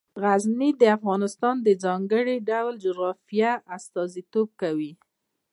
غزني د افغانستان د ځانګړي ډول جغرافیه استازیتوب کوي.